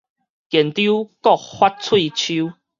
健丟閣發喙鬚